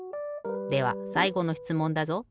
ではさいごのしつもんだぞ。